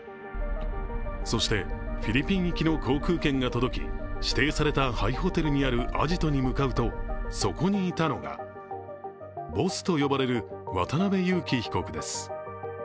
そしてフィリピン行きの航空券が届き指定された廃ホテルにあるアジトに向かうとそこにいたのがボスと呼ばれる渡辺優樹被告です。